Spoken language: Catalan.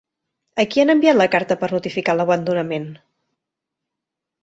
A qui han enviat la carta per notificar l'abandonament?